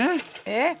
えっ！